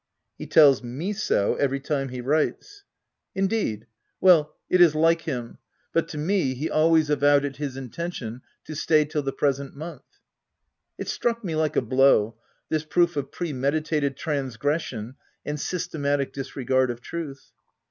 u He tells me so every time he writes. " OF W1LDFELL HALL. 1 77 " Indeed !— Well it'is like him. — But to me he always avowed it his intention to stay till the present month.'' It struck me like a blow, this proof of pre meditated transgression and systematic disregard of truth.